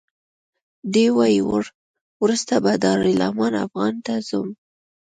دی وایي وروسته به دارالایمان افغان ته ځم.